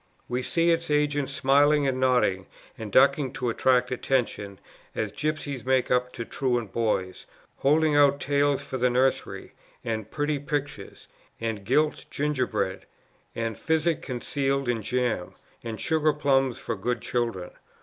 We see its agents, smiling and nodding and ducking to attract attention, as gipsies make up to truant boys, holding out tales for the nursery, and pretty pictures, and gilt gingerbread, and physic concealed in jam, and sugar plums for good children.